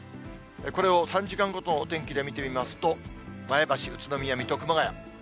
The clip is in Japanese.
これを３時間ごとのお天気で見てみますと、前橋、宇都宮、水戸、熊谷。